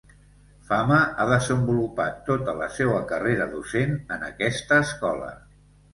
Fama ha desenvolupat tota la seua carrera docent en aquesta escola.